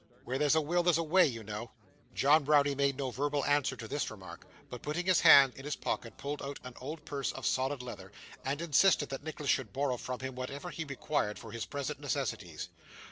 Where there's a will, there's a way, you know.' John Browdie made no verbal answer to this remark, but putting his hand in his pocket, pulled out an old purse of solid leather, and insisted that Nicholas should borrow from him whatever he required for his present necessities.